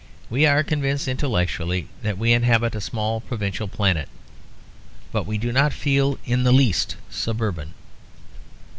We are convinced intellectually that we inhabit a small provincial planet, but we do not feel in the least suburban.